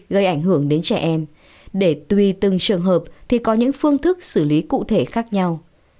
gây ảnh hưởng đến trẻ em để tùy từng trường hợp thì có những phương thức xử lý cụ thể khác nhau